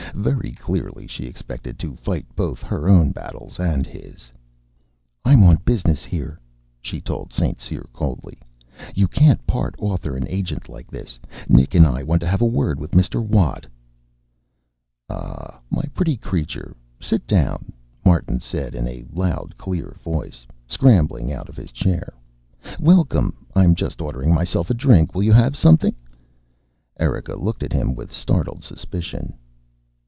Very clearly she expected to fight both her own battles and his. "I'm on business here," she told St. Cyr coldly. "You can't part author and agent like this. Nick and I want to have a word with Mr. Watt." "Ah, my pretty creature, sit down," Martin said in a loud, clear voice, scrambling out of his chair. "Welcome! I'm just ordering myself a drink. Will you have something?" Erika looked at him with startled suspicion.